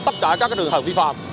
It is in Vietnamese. tất cả các trường hợp vi phạm